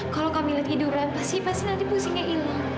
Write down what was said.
kalau kamila tiduran pasti nanti pusingnya ilang